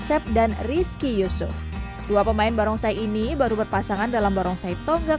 asep dan rizky yusuf dua pemain barongsai ini baru berpasangan dalam barongsai tonggak